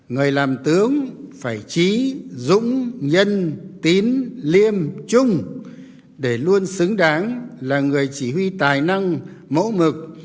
người làm tướng phải trí dũng nhân tín liêm trung để luôn xứng đáng là người chỉ huy tài năng mẫu mực